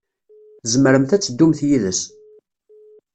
Tzemremt ad teddumt yid-s.